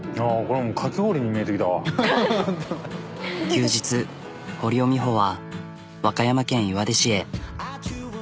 休日堀尾美穂は和歌山県岩出市へ。